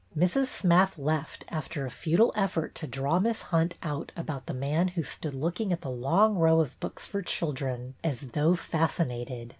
Mrs. Smath left after a futile effort to draw Miss Hunt out about the man who stood looking at the long row of books for children as though fascinated.